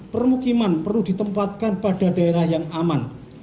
permukiman perlu ditempatkan pada daerah yang aman